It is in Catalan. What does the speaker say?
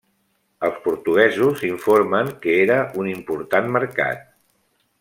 Els portuguesos informen que era un important mercat.